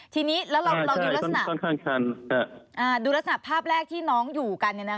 ทีนี้แล้วเราดูลักษณะค่อนข้างชันดูลักษณะภาพแรกที่น้องอยู่กัน